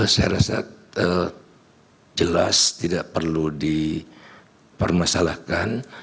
saya rasa jelas tidak perlu dipermasalahkan